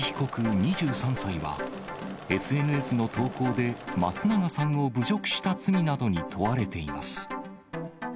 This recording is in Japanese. ２３歳は、ＳＮＳの投稿で、松永さんを侮辱した罪などに問われています。